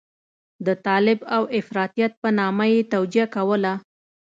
د طالب او افراطيت په نامه یې توجیه کوله.